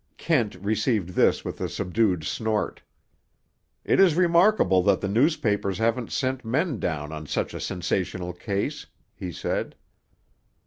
Kent received this with a subdued snort. "It is remarkable that the newspapers haven't sent men down on such a sensational case," he said.